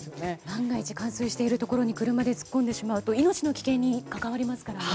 万が一冠水しているところに車で突っ込むと命の危険に関わりますからね。